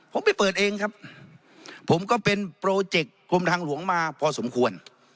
ผมไปเปิดเองครับผมก็เป็นโปรเจกต์กรมทางหลวงมาพอสมควร